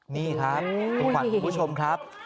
นี่ครับคุณผู้ชมครับ